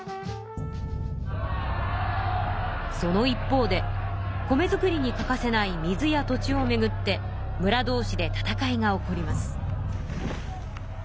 その一方で米作りに欠かせない水や土地をめぐってむら同士で戦いが起こります。